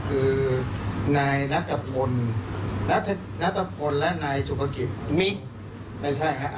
คือนายนัตรภนนัตรภนและนายจุภกิจมิไม่ใช่ฮะ